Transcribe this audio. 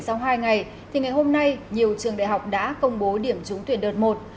sau hai ngày thì ngày hôm nay nhiều trường đại học đã công bố điểm trúng tuyển đợt một